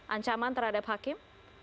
ancaman terhadap hakim